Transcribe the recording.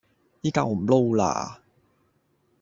依家我唔撈喇